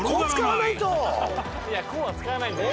いやこうは使わないんだよ。